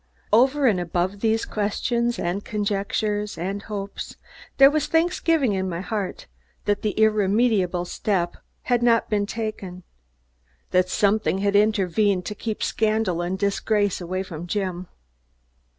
Over and above these questions and conjectures and hopes, there was thanksgiving in my heart that the irremediable step had not been taken; that something had intervened to keep scandal and disgrace away from Jim.